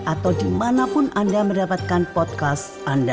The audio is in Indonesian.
atau dimanapun anda mendapatkan podcast anda